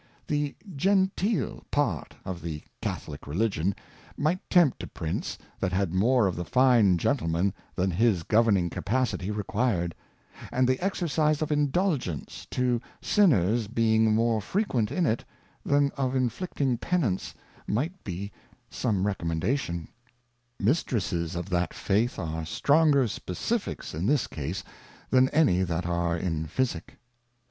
The genteel part of the Catholick Religion might tempt a Prince that had iiiore of the fine Gentleman than Ms ^Jigcnijig Capacity required : and the exercise of Indulgence to Sinners being more frequent injt^ than of injiictmci Fenance, might be" some _recoram£iidatiQn__JMistresses of that Faith are stronger Specificks in this case, than any that are in Physick.